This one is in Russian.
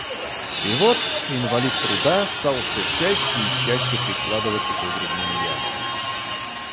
И вот инвалид труда стал всё чаще и чаще прикладываться к выгребным ямам.